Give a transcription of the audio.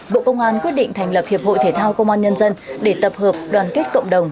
bộ công an quyết định thành lập hiệp hội thể thao công an nhân dân để tập hợp đoàn kết cộng đồng